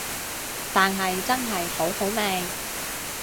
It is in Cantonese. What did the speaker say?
但係真係好好味